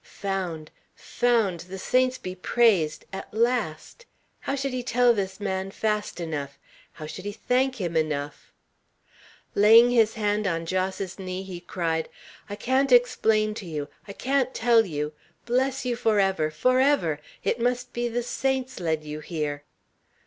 Found! Found, the saints be praised, at last! How should he tell this man fast enough? How should he thank him enough? Laying his hand on Jos's knee, he cried: "I can't explain to you; I can't tell you. Bless you forever, forever! It must be the saints led you here!"